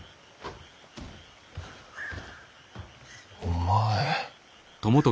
お前。